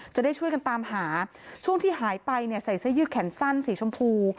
จะได้ช่วยกันตามหาช่วงที่หายไปเนี่ยใส่เสื้อยืดแขนสั้นสีชมพู